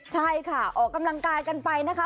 ใช่ค่ะออกกำลังกายกันไปนะคะ